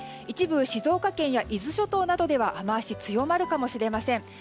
一部、静岡県や伊豆諸島などでは雨脚が強まるかもしれません。